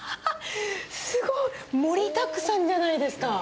すごい！盛りだくさんじゃないですか。